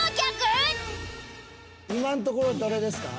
今のところどれですか？